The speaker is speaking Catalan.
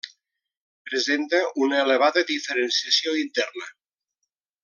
Presenta una elevada diferenciació interna.